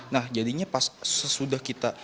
nah jadinya pas sesudah kita